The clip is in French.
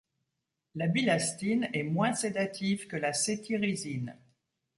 La bilastine est moins sédative que la cétirizine.